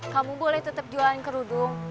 kamu boleh tetap jualan kerudung